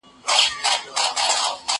زه له سهاره ليکنې کوم!